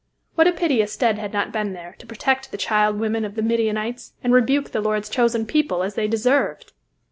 What a pity a Stead had not been there, to protect the child women of the Midianites and rebuke the Lord's chosen people as they deserved!